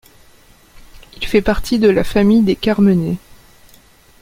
Il fait partie de la famille des Carmenets.